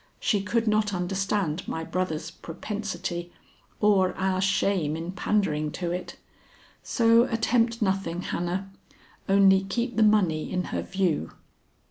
She could not understand my brother's propensity or our shame in pandering to it. So attempt nothing, Hannah. Only keep the money in her view.'"